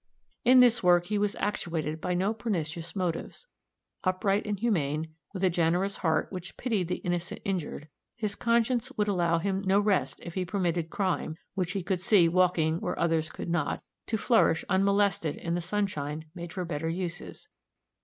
In this work he was actuated by no pernicious motives. Upright and humane, with a generous heart which pitied the innocent injured, his conscience would allow him no rest if he permitted crime, which he could see walking where others could not, to flourish unmolested in the sunshine made for better uses.